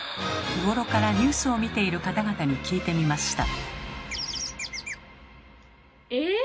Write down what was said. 日頃からニュースを見ている方々に聞いてみました。